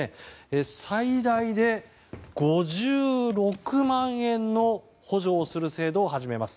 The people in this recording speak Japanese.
最大で５６万円の補助をする制度を始めます。